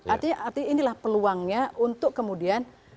artinya inilah peluangnya untuk kemudian